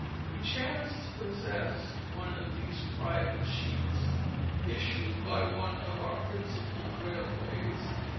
We chance to possess one of these private sheets, issued by one of our principal railways.